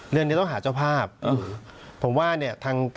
เรื่องนี้ต้องหาเจ้าภาพผมว่าเนี่ย